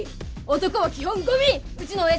男は基本ゴミ！うちの親父は特に！